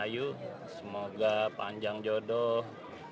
ayu semoga panjang jodoh